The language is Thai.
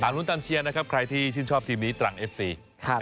รุ้นตามเชียร์นะครับใครที่ชื่นชอบทีมนี้ตรังเอฟซี